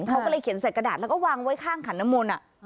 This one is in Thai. เขาก็เลยเขียนใส่กระดาษแล้วก็วางไว้ข้างขันน้ำมนต์